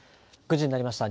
９時になりました。